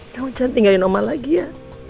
kamu jangan tinggalin oma lagi ya